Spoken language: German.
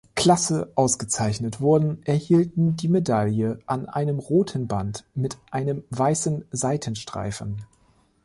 Klasse ausgezeichnet wurden, erhielten die Medaille an einem roten Band mit einem weißen Seitenstreifen.